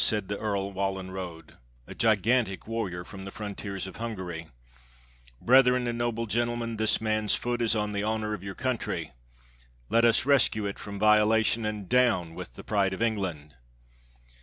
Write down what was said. said the Earl Wallenrode, a gigantic warrior from the frontiers of Hungary: "breth ren, and noble gentlemen, this man's foot is on the honor of your country; let us rescue it from violation, and down with the pride of England!"